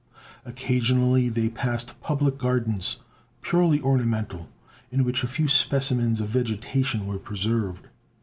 Occasionally they passed public gardens, purely ornamental, in which a few specimens of vegetation were preserved.